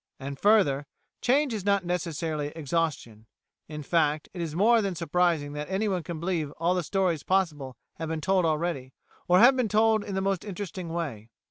And, further, change is not necessarily exhaustion; in fact, it is more than surprising that anyone can believe all the stories possible have been told already, or have been told in the most interesting way.